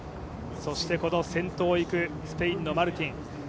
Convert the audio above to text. そして先頭を行くスペインのマルティン。